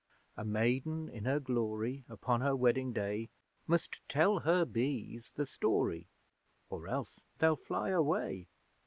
A Maiden in her glory, Upon her wedding day, Must tell her Bees the story, Or else they'll fly away.